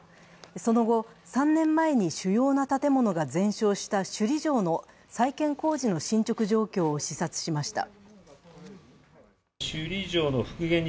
その後、３年前に主要な建物が全焼した首里城の再建工事の進捗状況を視察しました。